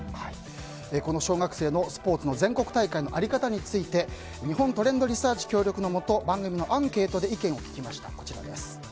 この小学生のスポーツの全国大会の在り方について日本トレンドリサーチ協力のもと番組のアンケートで意見を聞きました。